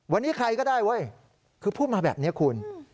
วันนี้ใครก็ได้เว้ยคือพูดมาแบบนี้คุณ